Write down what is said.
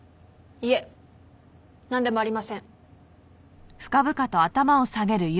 いえなんでもありません。